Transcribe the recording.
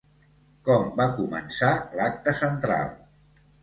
Com va començar l'acte central?